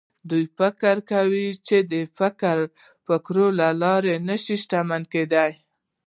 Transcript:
دوی فکر کوي چې د فکري لارې نه شي شتمن کېدای.